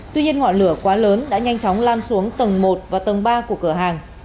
tuy nhiên ngọn lửa quá lớn đã nhanh chóng lan xuống tầng một và tầng ba của cửa hàng